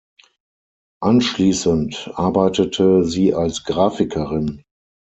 Anschließend arbeitete sie als Grafikerin.